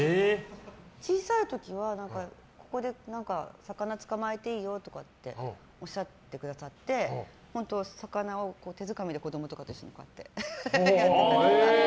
小さい時はここで魚捕まえていいよとかおっしゃってくださって魚を手づかみで子供とかと一緒にやってたりとか。